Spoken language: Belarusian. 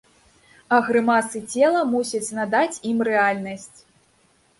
А грымасы цела мусяць надаць ім рэальнасць.